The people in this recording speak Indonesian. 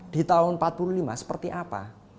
di tahun empat puluh lima seperti apa